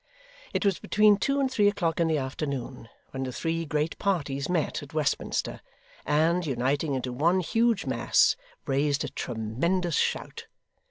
It was between two and three o'clock in the afternoon when the three great parties met at Westminster, and, uniting into one huge mass, raised a tremendous shout.